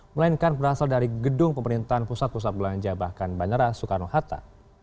melainkan berasal dari gedung pemerintahan pusat pusat belanja bahkan bandara soekarno hatta